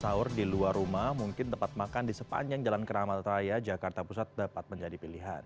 sahur di luar rumah mungkin tempat makan di sepanjang jalan keramat raya jakarta pusat dapat menjadi pilihan